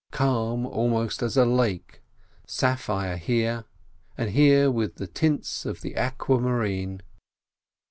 Calm, almost as a lake, sapphire here, and here with the tints of the aqua marine.